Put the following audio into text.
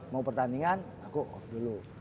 mau pertandingan aku off dulu